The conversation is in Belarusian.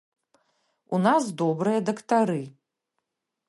У нас добрыя дактары.